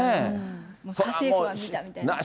家政婦は見たみたいな。